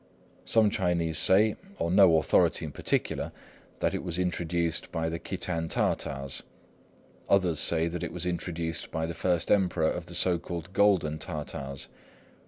Some Chinese say, on no authority in particular, that it was introduced by the Kitan Tartars; others say that it was introduced by the first Emperor of the so called Golden Tartars.